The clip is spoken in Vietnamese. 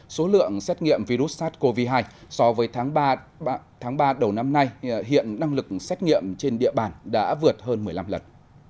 số lượng xét nghiệm virus sars cov hai so với tháng ba đầu năm nay hiện năng lực xét nghiệm trên địa bàn đã vượt hơn một mươi năm lần